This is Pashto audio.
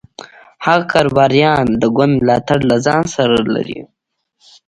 هغه کاروباریان د ګوند ملاتړ له ځان سره لري.